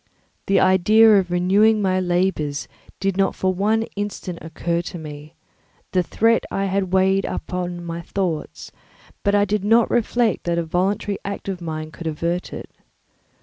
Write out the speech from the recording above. The idea of renewing my labours did not for one instant occur to me; the threat I had heard weighed on my thoughts, but I did not reflect that a voluntary act of mine could avert it.